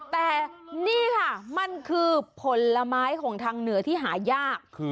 แต่นี่ค่ะมันคือผลไม้ของทางเหนือที่หายาก